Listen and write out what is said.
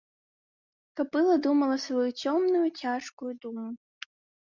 Кабыла думала сваю цёмную, цяжкую думу.